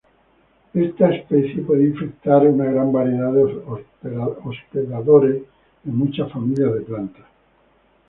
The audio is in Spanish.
Esta especie puede infectar una gran variedad de hospedadores en muchas familias de plantas.